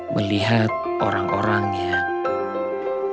melihat orang orang yang penuh